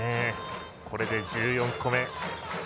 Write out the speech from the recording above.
これで１４個目。